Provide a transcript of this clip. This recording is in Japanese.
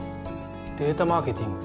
データマーケティング？